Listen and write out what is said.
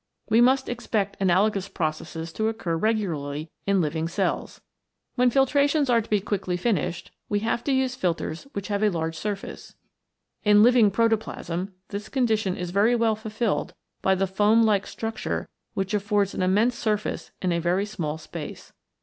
We must expect analogous processes to occur regularly in living cells. When nitrations are to be quickly finished, we have to use filters which have a large surface. In living protoplasm this condition is very well fulfilled by the foam like structure, which affords an immense surface in a very small space.